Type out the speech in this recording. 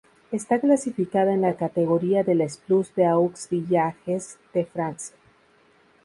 Está clasificada en la categoría de les plus beaux villages de France.